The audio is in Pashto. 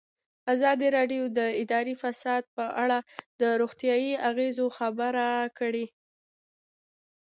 ازادي راډیو د اداري فساد په اړه د روغتیایي اغېزو خبره کړې.